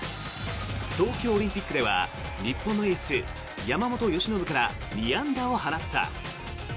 東京オリンピックでは日本のエース、山本由伸から２安打を放った。